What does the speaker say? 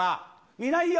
見ないよ。